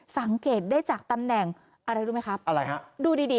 สังเกตได้จากตำแหน่งอะไรรู้ไหมครับอะไรฮะดูดีดี